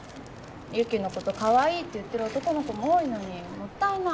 雪のことかわいいって言ってる男の子も多いのにもったいない。